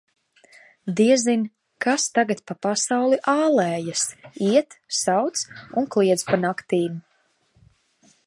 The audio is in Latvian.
Diezin, kas tagad pa pasauli ālējas: iet, sauc un kliedz pa naktīm.